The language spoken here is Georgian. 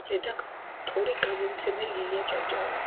რედაქტორი-გამომცემელი ილია ჭავჭავაძე.